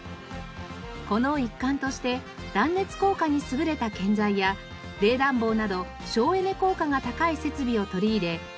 この一環として断熱効果に優れた建材や冷暖房など省エネ効果が高い設備を取り入れ